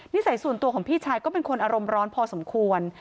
สัยส่วนตัวของพี่ชายก็เป็นคนอารมณ์ร้อนพอสมควร